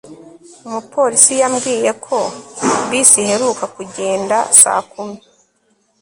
umupolisi yambwiye ko bisi iheruka kugenda saa kumi